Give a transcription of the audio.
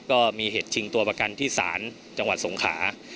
ก็มีเหตุชิงตัวประกันที่ศาลจังหวัดสงขา